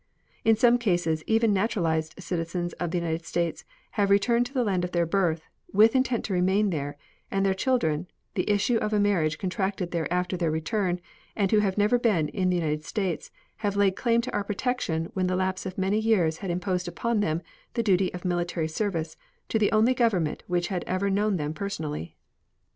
In some cases even naturalized citizens of the United States have returned to the land of their birth, with intent to remain there, and their children, the issue of a marriage contracted there after their return, and who have never been in the United States, have laid claim to our protection when the lapse of many years had imposed upon them the duty of military service to the only government which had ever known them personally.